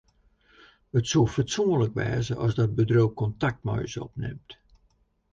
It soe fatsoenlik wêze as dat bedriuw kontakt mei ús opnimt.